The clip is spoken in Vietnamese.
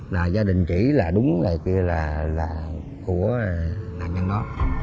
là gia đình chỉ là đúng là kia là của nạn nhân đó